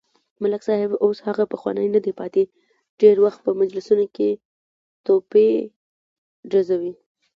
ملک صاحب اوس هغه پخوانی ندی پاتې، ډېری وخت په مجلسونو کې توپې ډزوي.